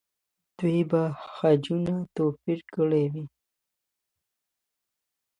دوی به خجونه توپیر کړي وي.